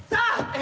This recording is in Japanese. え